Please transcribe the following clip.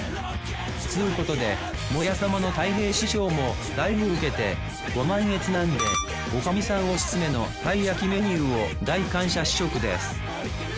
つうことで「モヤさま」のたい平師匠もだいぶウケてご満悦なんでおかみさんオススメのたい焼きメニューを大感謝試食です